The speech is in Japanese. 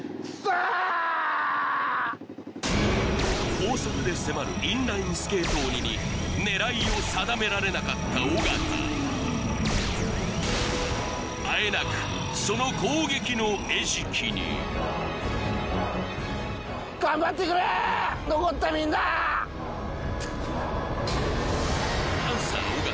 高速で迫るインラインスケート鬼に狙いを定められなかった尾形あえなくその攻撃の餌食にパンサー・尾形